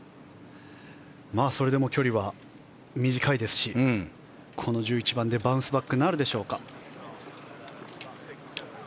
それでも距離は短いですしこの１１番でバウンスバックなるでしょうか。